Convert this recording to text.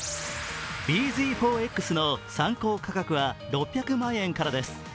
ｂＺ４Ｘの参考価格は６００万円からです